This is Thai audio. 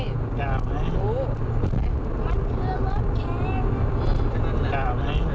มันคือรถแค้น